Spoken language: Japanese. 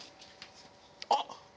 あっ！